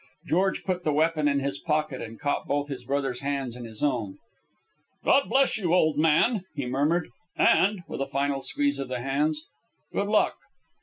George put the weapon in his pocket and caught both his brother's hands in his own. "God bless you, old man," he murmured; "and" with a final squeeze of the hands "good luck!"